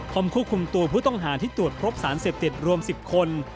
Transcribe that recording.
ควบคุมตัวผู้ต้องหาที่ตรวจพบสารเสพติดรวม๑๐คน